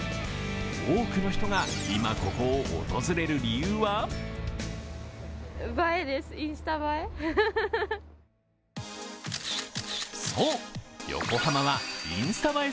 多くの人が今ここを訪れる理由はそう、横浜はインスタ映え